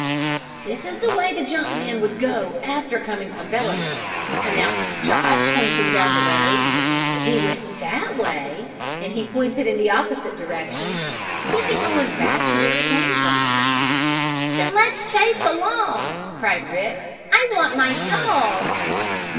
"This is the way the junk man would go after coming from Belemere," announced Chot, pointing down the road. "If he went that way," and he pointed in the opposite direction, "he'd be going back where he came from." "Then let's chase along!" cried Rick. "I want my dog!"